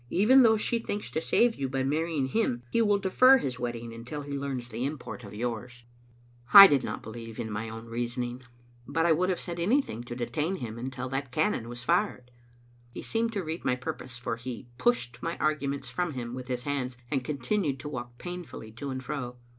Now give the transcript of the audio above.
Even though she thinks to save you by marrying him, he will defer his wedding until he learns the import of yours." Digitized by VjOOQ IC %H ubc Xtttle Ainteter* I did not believe in my own reasoning, bat ! would have said anything to detain him until that cannon was fired. He seemed to read my purpose, for he pushed my arguments from him with his hands, and continued to walk painfully to and fro.